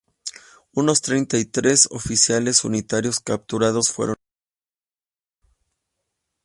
Unos treinta y tres oficiales unitarios capturados fueron ejecutados.